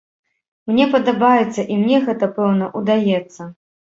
Мне падабаецца, і мне гэта, пэўна, удаецца.